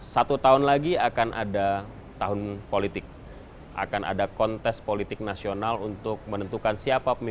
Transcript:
satu tahun lagi akan ada tahun politik akan ada kontes politik nasional untuk menentukan siapa pemimpin